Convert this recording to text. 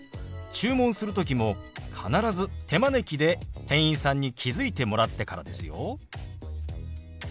注文する時も必ず手招きで店員さんに気付いてもらってからですよ。